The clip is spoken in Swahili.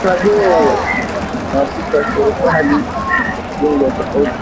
maafisa wa serikali na wabunge kutofanya biashara na serikali